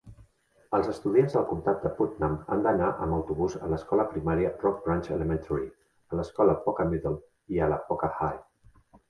Els estudiants del comtat de Putnam han d'anar amb autobús a l'escola primària Rock Branch Elementary, a l'escola Poca Middle i a la Poca High.